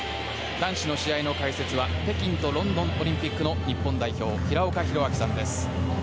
男子の試合の解説は北京とロンドンオリンピックの日本代表平岡拓晃さんです。